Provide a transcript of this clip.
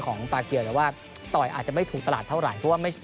ปากเกียวแต่ว่าต่อยอาจจะไม่ถูกตลาดเท่าไหร่เพราะว่าไม่ใช่